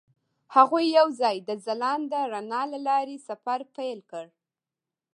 هغوی یوځای د ځلانده رڼا له لارې سفر پیل کړ.